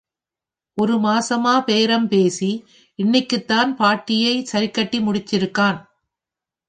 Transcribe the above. ஒரு மாசமா பேரம் பேசி, இன்னிக்குதான் பார்ட்டியை சரிக்கட்டி முடிச்சிருக்கான்.